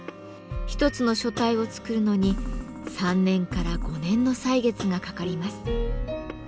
一つの書体を作るのに３年から５年の歳月がかかります。